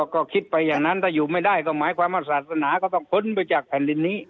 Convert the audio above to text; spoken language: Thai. ก็คิดไปอย่างนั้นถ้าอยู่ไม่ได้ก็หมายความว่าศาสนาก็ต้องพ้นไปจากแผ่นดินนี้